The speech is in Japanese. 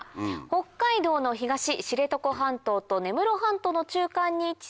北海道の東知床半島と根室半島の中間に位置する